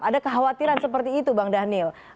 ada kekhawatiran seperti itu bang daniel